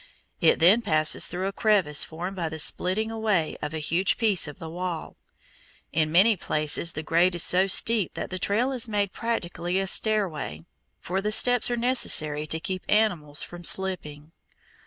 It then passes through a crevice formed by the splitting away of a huge piece of the wall. In many places the grade is so steep that the trail is made practically a stairway, for the steps are necessary to keep animals from slipping.